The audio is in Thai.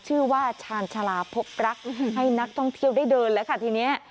ชาญชาลาพบรักให้นักท่องเที่ยวได้เดินแล้วค่ะทีนี้